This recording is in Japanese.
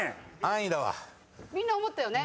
みんな思ったよね？